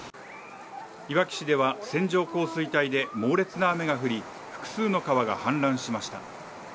いわき市では線状降水帯で猛烈な雨が降り複数の川が氾濫しました。